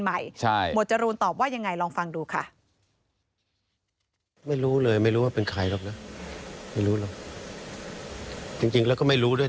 ไม่รู้เลยไม่รู้ว่าเป็นใครหรอก